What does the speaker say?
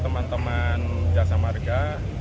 teman teman jasa marga